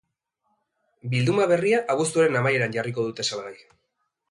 Bilduma berria abuztuaren amaieran jarriko dute salgai.